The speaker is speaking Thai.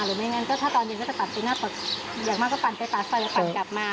หรือไม่งั้นถ้าตอนเย็นก็จะปั่นตรงหน้าอย่างมากก็ปั่นไปปาเซอร์ปั่นกลับมา